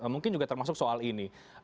mungkin juga termasuk soal ini